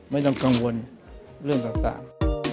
ไม่ต้องกังวลเรื่องต่าง